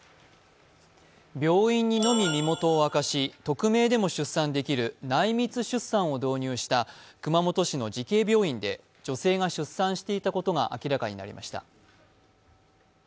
病院にのみ身元を明かし匿名でも出産できる内密出産を導入した熊本市の慈恵病院で女性が出産していたことが明らかになりました。